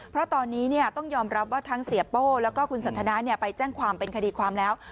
เพราะตอนนี้ต้องยอมรับว่าทั้งเสียโป้แล้วก็คุณสันทนาไปแจ้งความเป็นคดีความแล้ว